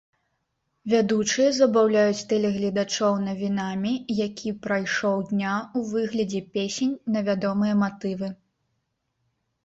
Вядучыя забаўляюць тэлегледачоў навінамі які прайшоў дня ў выглядзе песень на вядомыя матывы.